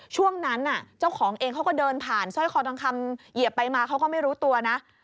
ช่วงนั้นเจ้าของเองเขาก็เดินผ่านสร้อยคอทองคำเหยียบไปมาเขาก็ไม่รู้ตัวนะ